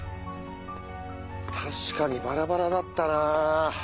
確かにバラバラだったなあ。